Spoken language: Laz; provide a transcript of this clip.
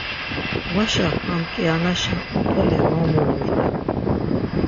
Vaşa ham kianaşa utole mo mulurt.